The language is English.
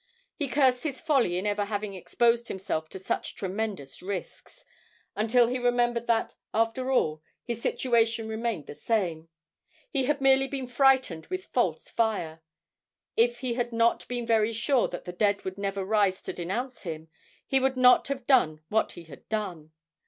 He cursed his folly in ever having exposed himself to such tremendous risks, until he remembered that, after all, his situation remained the same. He had merely been frightened with false fire. If he had not been very sure that the dead would never rise to denounce him, he would not have done what he had done.